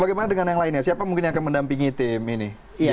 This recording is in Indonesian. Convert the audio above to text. bagaimana dengan yang lainnya siapa mungkin yang akan mendampingi tim ini